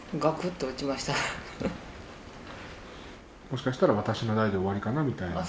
もしかしたら私の代で終わりかなみたいな？